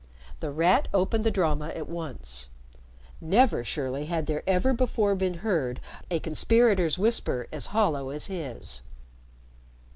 The Rat opened the drama at once. Never surely had there ever before been heard a conspirator's whisper as hollow as his.